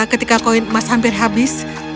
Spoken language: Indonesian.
ketika koin emas hampir habis